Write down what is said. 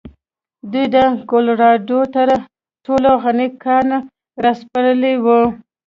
دوی د کولراډو تر ټولو غني کان راسپړلی و.